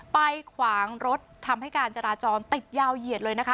ขวางรถทำให้การจราจรติดยาวเหยียดเลยนะคะ